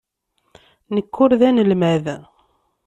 Nekk ur d anelmad.